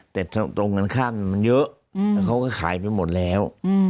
แต่ตรงข้างมันเยอะเขาก็ขายไปหมดแล้ว